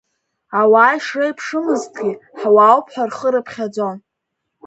Ауаа ишреиԥшымызгьы ҳуаауп ҳәа рхы рыԥхьаӡон…